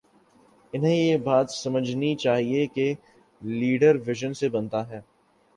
انہیں یہ بات سمجھنی چاہیے کہ لیڈر وژن سے بنتا ہے۔